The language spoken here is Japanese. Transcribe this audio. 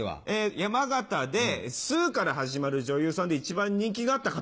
山形で「す」から始まる女優さんで一番人気があった方。